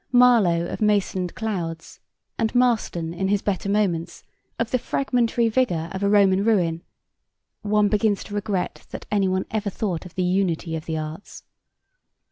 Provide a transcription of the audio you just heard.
. Marlowe of masoned clouds, and Marston, in his better moments, of the fragmentary vigour of a Roman ruin,' one begins to regret that any one ever thought of the unity of the arts.